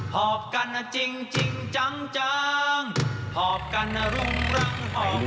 หอบกันจริงจังหอบกันรุงรังหอบฟาง